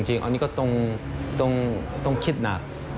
จริงอันนี้ก็ต้องคิดหนัก